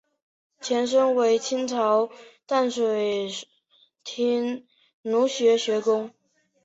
前身为清朝淡水厅儒学学宫。